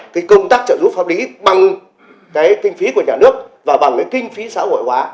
cái công tác trợ giúp pháp lý bằng cái kinh phí của nhà nước và bằng cái kinh phí xã hội hóa